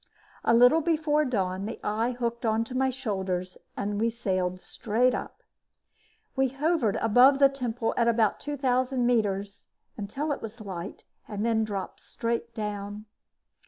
A little before dawn, the eye hooked onto my shoulders and we sailed straight up. We hovered above the temple at about 2,000 meters, until it was light, then dropped straight down.